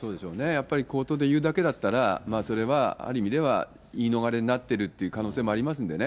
やっぱり口頭で言うだけだったら、それはある意味では、言い逃れになっているという可能性もありますんでね。